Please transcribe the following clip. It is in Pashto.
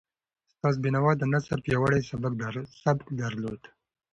استاد بینوا د نثر پیاوړی سبک درلود.